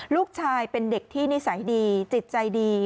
ลูกชายเป็นเด็กที่นิสัยดีจิตใจดี